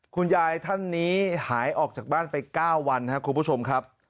คุณยายท่านนี้หายออกจากบ้านไป๙วันครับคุณผู้ชมครับ